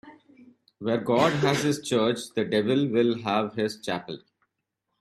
Where God has his church, the devil will have his chapel.